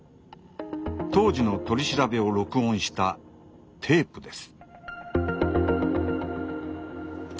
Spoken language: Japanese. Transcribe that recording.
当時の取り調べを録音したテープです。